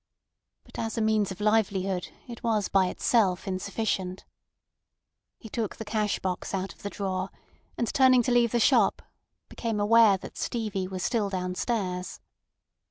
But as a means of livelihood it was by itself insufficient. He took the cash box out of the drawer, and turning to leave the shop, became aware that Stevie was still downstairs.